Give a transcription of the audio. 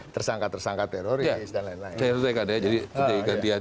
tersangka tersangka teroris dan lain lain